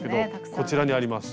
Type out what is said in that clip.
こちらにあります